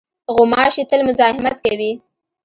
غوماشې تل مزاحمت کوي.